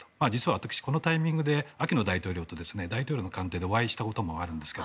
私、実はこのタイミングでアキノ大統領と大統領官邸でお会いしたこともあるんですが。